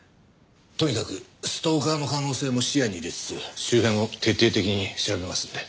とにかくストーカーの可能性も視野に入れつつ周辺を徹底的に調べますので。